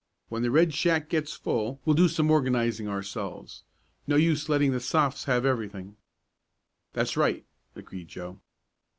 When the Red Shack gets full we'll do some organizing ourselves. No use letting the Sophs. have everything." "That's right," agreed Joe.